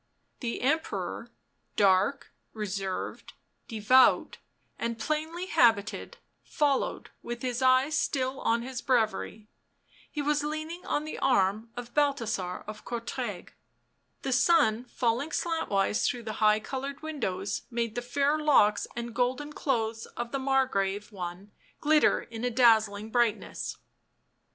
The Emperor, dark, reserved, devout and plainly habited, followed with his eyes still on his breviary ; he was leaning on the arm of Balthasar of Courtrai; the sun falling slantwise through the high coloured windows made the fair locks and golden clothes of the Margrave one glitter in a dazzling brightness.